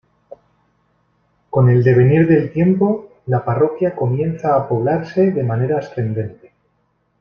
Con el devenir del tiempo, la parroquia comienza a poblarse de manera ascendente.